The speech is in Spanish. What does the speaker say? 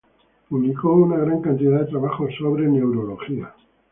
Publicó una gran cantidad de trabajos sobre neurología.